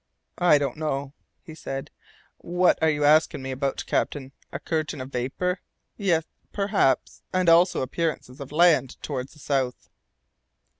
"I don't know," he said. "What are you asking me about, captain? A curtain of vapour? Yes, perhaps, and also appearances of land towards the south."